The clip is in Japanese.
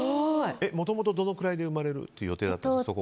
もともとどのくらいで生まれる予定だったんですか？